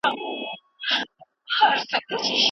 موږ معتبرې نظريې منځ ته راوړو.